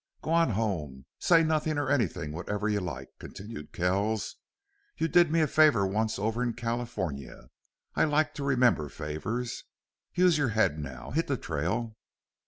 "Go on home. Say nothing or anything whatever you like," continued Kells. "You did me a favor once over in California. I like to remember favors. Use your head now. Hit the trail."